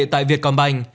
tại việt còn bành